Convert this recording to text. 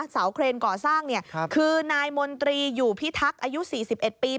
เครนก่อสร้างคือนายมนตรีอยู่พิทักษ์อายุ๔๑ปี